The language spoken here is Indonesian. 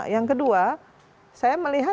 yang kedua saya melihat